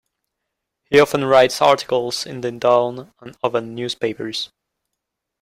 He often writes articles in the "Dawn" and other newspapers.